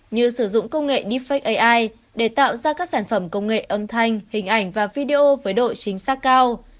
như sử dụng công nghệ deepfak ai để tạo ra các sản phẩm công nghệ âm thanh hình ảnh và video với độ chính xác cao